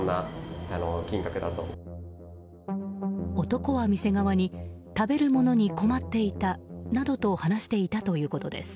男は店側に食べるものに困っていたなどと話していたということです。